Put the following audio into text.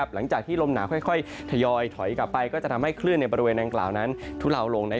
หลังจากที่ลมหนาวค่อยทยอยถอยกลับไปก็จะทำให้คลื่นในบริเวณดังกล่าวนั้นทุเลาลง